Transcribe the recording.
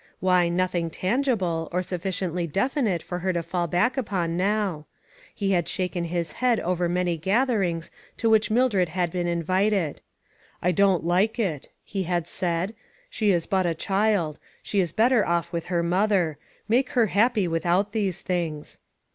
Why, nothing tangible, or sufficiently definite for her to fall back upon • now. He had shaken his head over many gatherings to which Mildred had been in A TOUCH OF THE WORLD. 39 1 vited. "I don't like it," he had said, "she is but a child ; she is better off with her mother. Make her happy without these things.